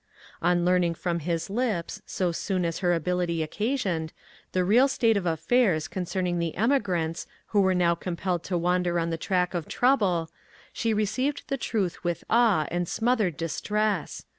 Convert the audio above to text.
On learning from his lips, so soon as her ability occasioned, the real state of affairs concerning the emigrants who were now compelled to wander on the track of trouble, she received the truth with awe and smothered distress.